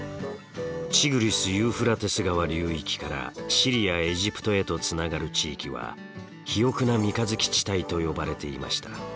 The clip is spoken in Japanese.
ティグリスユーフラテス川流域からシリアエジプトへとつながる地域は肥沃な三日月地帯と呼ばれていました。